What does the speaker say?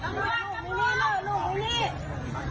ท่านดูเหตุการณ์ก่อนนะครับ